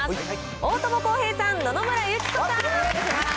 大友康平さん、野々村友紀子さん。